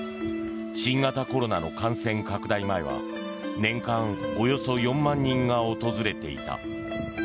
新型コロナの感染拡大前は年間およそ４万人が訪れていた。